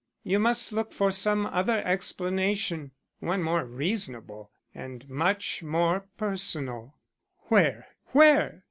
You must look for some other explanation; one more reasonable and much more personal." "Where? where?